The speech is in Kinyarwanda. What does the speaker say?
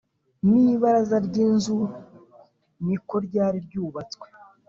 n’ibaraza ry’iyo nzu ni ko ryari ryubatswe